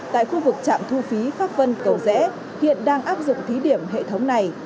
tại khu vực trạm thu phí pháp vân cầu rẽ hiện đang áp dụng thí điểm hệ thống này